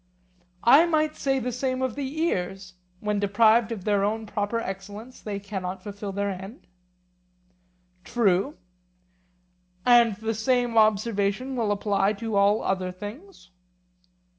I might say the same of the ears; when deprived of their own proper excellence they cannot fulfil their end? True. And the same observation will apply to all other things?